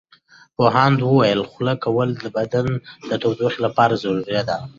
پوهاند وویل خوله کول د بدن د تودوخې لپاره ضروري دي.